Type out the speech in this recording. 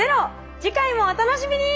次回もお楽しみに！